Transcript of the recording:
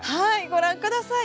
ご覧ください。